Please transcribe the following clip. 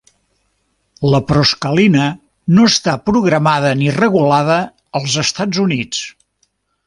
La proscalina no està programada ni regulada als Estats Units.